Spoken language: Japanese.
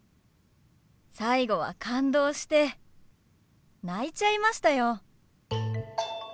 最後は感動して泣いちゃいましたよ。